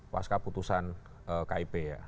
pas keputusan kip ya